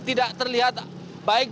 tidak terlihat baik